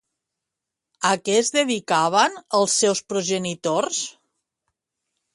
A què es dedicaven els seus progenitors?